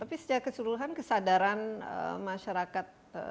tapi secara keseluruhan kesadaran masyarakat